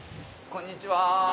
こんにちは。